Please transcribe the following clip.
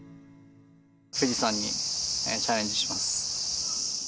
富士山にチャレンジします。